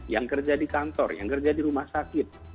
yang kerja di kantor yang kerja di rumah sakit